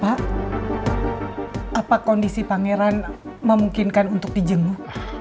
pak apa kondisi pangeran memungkinkan untuk di jenguk